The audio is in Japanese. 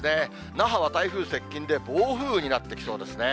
那覇は台風接近で暴風雨になってきそうですね。